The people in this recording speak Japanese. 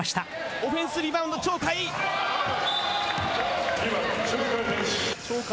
オフェンスリバウンド、鳥海。